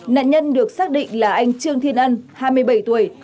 nạn nhân được xác định là anh trương thiên ân hai mươi bảy tuổi